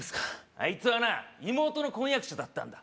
あいつはな妹の婚約者だったんだ